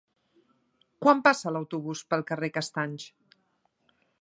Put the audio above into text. Quan passa l'autobús pel carrer Castanys?